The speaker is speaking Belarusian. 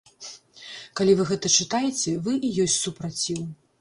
Калі вы гэта чытаеце, вы і ёсць супраціў.